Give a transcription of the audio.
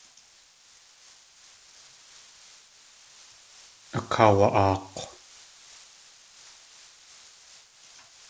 Akaawa.aak̲w.